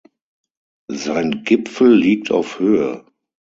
Sein Gipfel liegt auf Höhe.